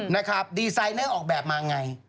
นะครับดีไซเนอร์ออกแบบมาไง